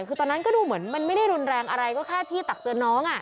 คือตอนนั้นก็ดูเหมือนมันไม่ได้รุนแรงอะไรก็แค่พี่ตักเตือนน้อง